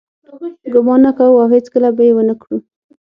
ګمان نه کوو او هیڅکله به یې ونه کړو.